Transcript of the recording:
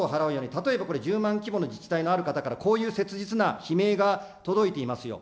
例えばこれ１０万規模の自治体のある方からこういう切実な悲鳴が届いていますよ。